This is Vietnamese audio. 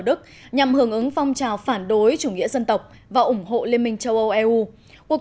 đức nhằm hưởng ứng phong trào phản đối chủ nghĩa dân tộc và ủng hộ liên minh châu âu eu cuộc